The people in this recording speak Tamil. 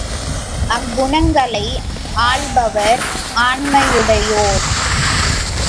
அக்குணங்களை ஆள்பவர் ஆண்மையுடையோர்.